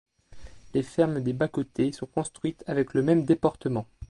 Les fermes des bas-côtés sont construites avec le même déportement.